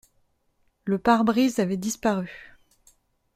Le pare-brise avait disparu.